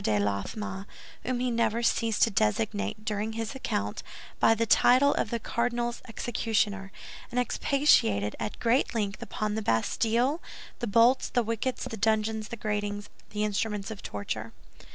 de Laffemas, whom he never ceased to designate, during his account, by the title of the "cardinal's executioner," and expatiated at great length upon the Bastille, the bolts, the wickets, the dungeons, the gratings, the instruments of torture.